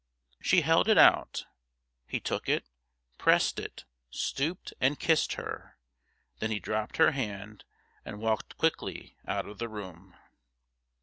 She held it out. He took it, pressed it, stooped and kissed her. Then he dropped her hand and walked quickly out of the room.